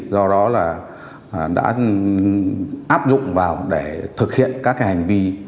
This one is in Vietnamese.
do đó là đã áp dụng vào để thực hiện các cái hành vi